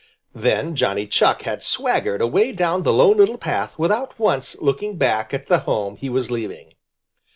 Then Johnny Chuck had swaggered away down the Lone Little Path without once looking back at the home he was leaving.